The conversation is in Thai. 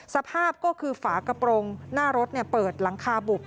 สภาพก็คือฝากระโปรงหน้ารถเปิดหลังคาบุบ